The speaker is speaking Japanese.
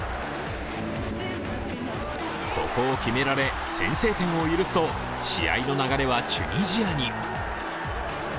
ここを決められ、先制点を許すと試合の流れはチュニジアに。